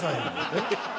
えっ？